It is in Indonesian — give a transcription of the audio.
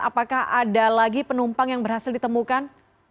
apakah ada lagi penumpang yang berhasil ditemukan